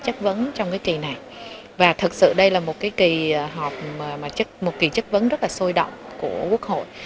chất vấn trong cái kỳ này và thực sự đây là một cái kỳ họp mà một kỳ chất vấn rất là sôi động của quốc hội